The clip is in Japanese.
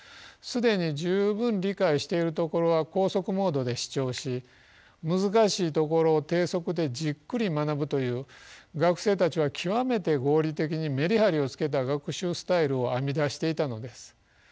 既に十分理解しているところは高速モードで視聴し難しいところを低速でじっくり学ぶという学生たちは極めて合理的にメリハリをつけた学習スタイルを編み出していたのです。